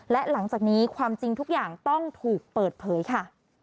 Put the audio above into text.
และหลังจากนี้ความจริงทุกอย่างต้องถูกเปิดเผยค่ะ